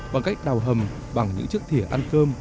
bằng cách đào hầm bằng những chiếc thỉa ăn cơm